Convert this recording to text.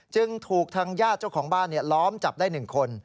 จึงถูกทางญาติเจ้าของบ้านล้อมจับได้๑คน